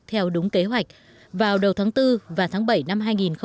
theo đúng kế hoạch vào đầu tháng bốn và tháng bảy năm hai nghìn một mươi bảy